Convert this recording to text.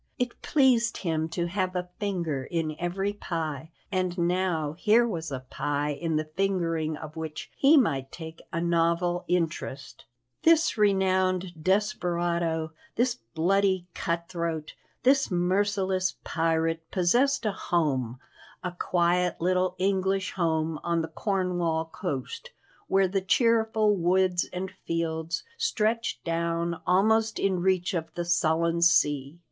It pleased him to have a finger in every pie, and now here was a pie in the fingering of which he might take a novel interest. This renowned desperado, this bloody cutthroat, this merciless pirate possessed a home a quiet little English home on the Cornwall coast, where the cheerful woods and fields stretched down almost in reach of the sullen sea.